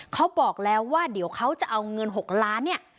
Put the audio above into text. เขาบอกแล้วว่าเดี๋ยวเขาจะเอาเงิน๖ล้านเนี่ย